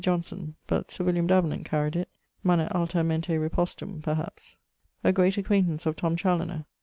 Jonson; but Sir William Davenant caried it manet alta mente repostum, perhaps. A great acquaintance of Tom Chaloner.